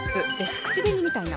口紅みたいな。